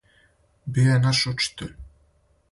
Био је наш учитељ.